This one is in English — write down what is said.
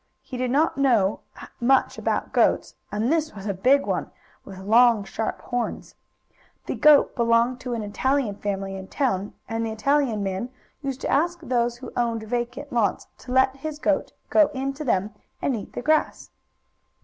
He did not know much about goats, and this was a big one, with long, sharp horns. The goat belonged to an Italian family in town, and the Italian man used to ask those who owned vacant lots to let his goat go into them and eat the grass.